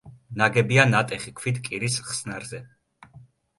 ნაგებია ნატეხი ქვით კირის ხსნარზე.